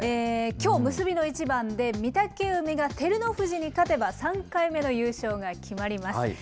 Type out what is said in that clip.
きょう、結びの一番で、御嶽海が照ノ富士に勝てば、３回目の優勝が決まります。